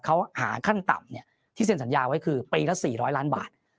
เขาหาขั้นต่ำที่เซ็นสัญญาไว้คือปีละ๔๐๐ล้านบาท